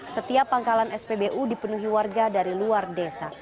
setiap pangkalan spbu dipenuhi warga dari luar desa